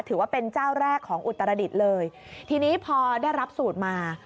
ถือว่าเป็นเจ้าแรกของอุตรดิษฐ์เลยทีนี้พอได้รับสูตรมา